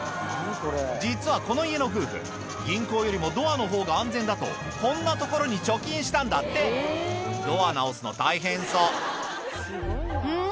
実はこの家の夫婦銀行よりもドアのほうが安全だとこんなところに貯金したんだってドア直すの大変そうん？